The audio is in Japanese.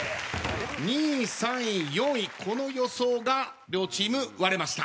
２位３位４位この予想が両チーム割れました。